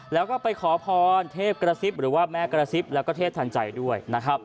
แล้วก็ไปขอพรเทพกระซิบหรือว่าแม่กระซิบและเทพธันไจด้วย